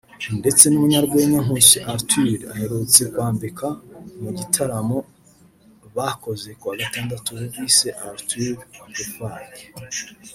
ndetse n’umunyarwenya Nkusi Arthur aherutse kwambika mu gitaramo bakoze ku wa Gatandatu bise Arthur Amplified